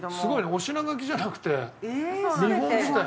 お品書きじゃなくて日本酒だよ。